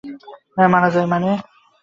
মারা যায় মানে?